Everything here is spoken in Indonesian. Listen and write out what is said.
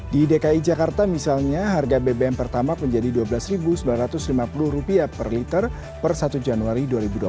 di dki jakarta misalnya harga bbm pertamak menjadi rp dua belas sembilan ratus lima puluh per liter per satu januari dua ribu dua puluh